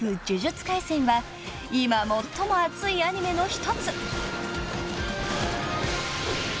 『呪術廻戦』は今最も熱いアニメの一つ］